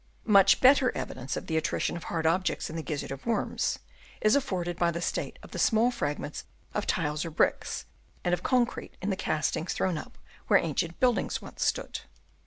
Much better evidence of the attrition of hard objects in the gizzards of worms, is afforded by the state of the small fragments of tiles or bricks, and of concrete in the castings thrown up where ancient buildings once stood.